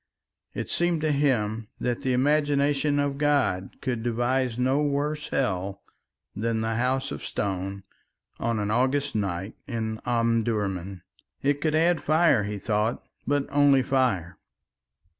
It seemed to him that the imagination of God could devise no worse hell than the House of Stone on an August night in Omdurman. It could add fire, he thought, but only fire.